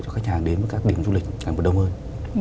cho khách hàng đến với các địa phương du lịch